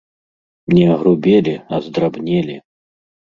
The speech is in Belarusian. Не агрубелі, а здрабнелі!